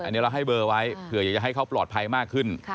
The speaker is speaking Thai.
อันนี้เราให้เบอร์ไว้เผื่ออยากจะให้เขาปลอดภัยมากขึ้น